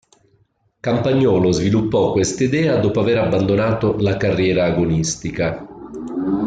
Campagnolo sviluppò questa idea dopo aver abbandonato la carriera agonistica.